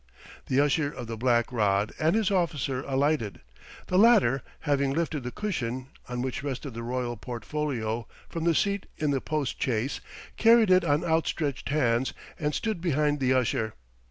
The Usher of the Black Rod and his officer alighted. The latter, having lifted the cushion, on which rested the royal portfolio, from the seat in the postchaise, carried it on outstretched hands, and stood behind the Usher.